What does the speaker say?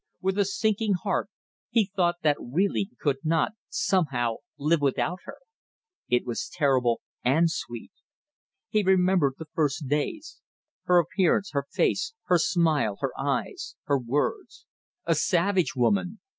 With a sinking heart he thought that really he could not somehow live without her. It was terrible and sweet. He remembered the first days. Her appearance, her face, her smile, her eyes, her words. A savage woman!